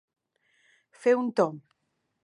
Fer un tomb.